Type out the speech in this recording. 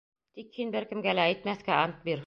Тик һин бер кемгә лә әйтмәҫкә ант бир!